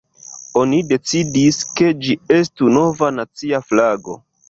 Oni decidis, ke ĝi estu nova nacia flago.